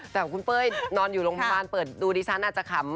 แต่คุณเป้ยนอนอยู่โรงพยาบาลเปิดดูดิฉันอาจจะขำ